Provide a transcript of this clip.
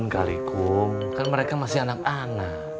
kalikung kan mereka masih anak anak